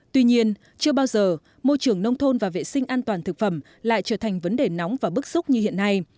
tuy nhiên chưa bao giờ môi trường nông thôn và vệ sinh an toàn thực phẩm lại trở thành vấn đề nóng và bức xúc như hiện nay